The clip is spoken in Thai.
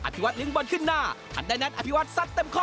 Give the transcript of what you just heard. อภิวัตลึงบอลขึ้นหน้าถัดได้นัดอภิวัตสัดเต็มข้อ